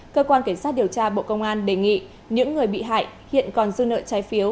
cơ quan cảnh sát điều tra bộ công an đề nghị những người bị hại hiện còn dư nợ trái phiếu